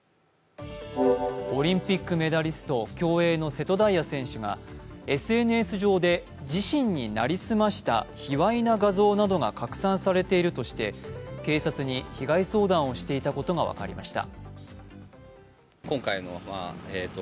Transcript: オリンピックメダリスト、競泳の瀬戸大也選手がＳＮＳ上で自身に成り済ました卑わいな画像などが拡散されているとして警察に被害相談をしていたことが分かりました。